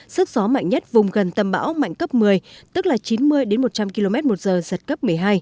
sức gió mạnh nhất vùng gần tâm bão mạnh cấp một mươi tức là chín mươi một trăm linh km một giờ giật cấp một mươi hai